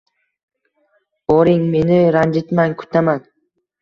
Boring. Meni ranjitmang. Kutaman.